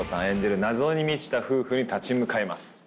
演じる謎に満ちた夫婦に立ち向かいます。